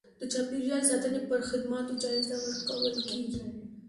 د چاپیریال ساتنې پر خدماتو جایزه ورکول کېږي.